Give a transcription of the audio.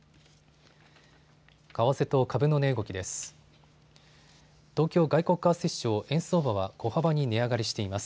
為替と株の値動きです。